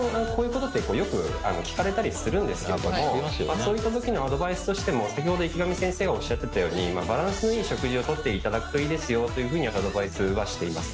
そういった時のアドバイスとしても先ほど池上先生がおっしゃっていたようにバランスのいい食事をとっていただくといいですよというふうにアドバイスはしています。